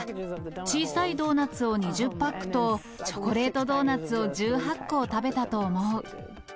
小さいドーナツを２０パックと、チョコレートドーナツを１８個食べたと思う。